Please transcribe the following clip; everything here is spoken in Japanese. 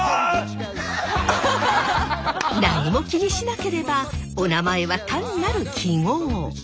何も気にしなければおなまえは単なる記号。